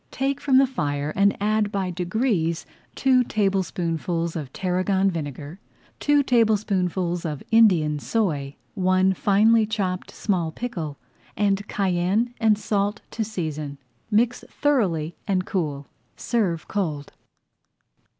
Take from the fire and add by degrees two tablespoonfuls of tarragon vinegar, two tablespoonfuls of Indian soy, one finely chopped small pickle, and cayenne and salt to season. Mix thoroughly and cool. Serve cold.